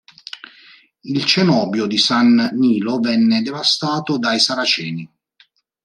Il cenobio di San Nilo venne devastato dai saraceni.